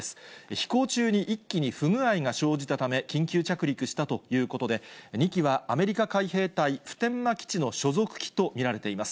飛行中に１機に不具合が生じたため、緊急着陸したということで、２機はアメリカ海兵隊普天間基地の所属機と見られています。